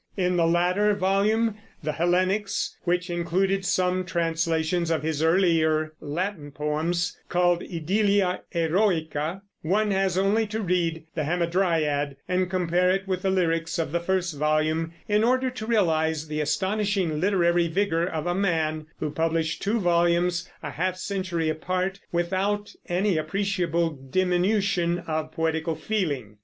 In the latter volume, The Hellenics, which included some translations of his earlier Latin poems, called _Idyllia Heroica, _one has only to read "The Hamadryad," and compare it with the lyrics of the first volume, in order to realize the astonishing literary vigor of a man who published two volumes, a half century apart, without any appreciable diminution of poetical feeling.